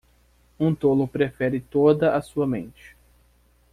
Um tolo profere toda a sua mente.